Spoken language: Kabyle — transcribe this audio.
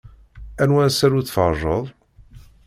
Anwa asaru tferrjeḍ?